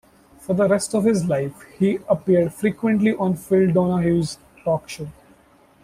For the rest of his life, he appeared frequently on Phil Donahue's talk show.